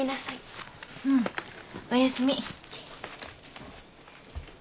うん。おやすみ。